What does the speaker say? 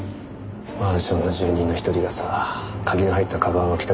マンションの住人の一人がさ鍵の入った鞄を帰宅